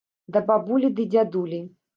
Да бабулі ды дзядулі.